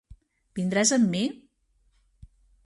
Vindràs amb mi?